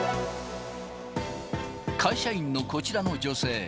会社員のこちらの女性。